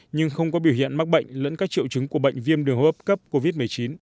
nhưng không có biểu hiện mắc bệnh lẫn các triệu chứng của bệnh viêm đường hô hấp cấp covid một mươi chín